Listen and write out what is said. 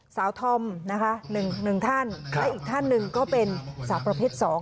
ธอมนะคะหนึ่งท่านและอีกท่านหนึ่งก็เป็นสาวประเภท๒